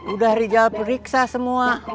udah rija periksa semua